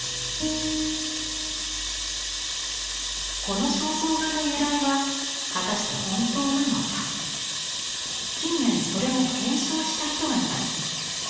この肖像画の由来は果たして本当なのか近年それを検証した人がいます。